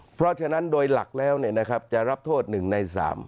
เพราะฉะนั้นโดยหลักแล้วจะรับโทษ๑ใน๓